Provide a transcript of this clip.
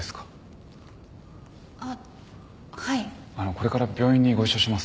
これから病院にご一緒します。